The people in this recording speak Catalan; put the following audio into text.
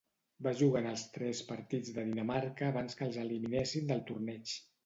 Va jugar en els tres partits de Dinamarca abans que els eliminessin del torneig.